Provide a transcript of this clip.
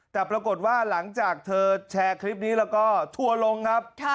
แต่ปรากฏว่าหลังจากเธอแชร์คลิปนี้แล้วก็ทัวร์ลงครับ